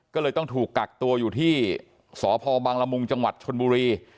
ก็เลยต้องถูกกักตัวอยู่ที่สพบังละมุงจังหวัดชนบุรี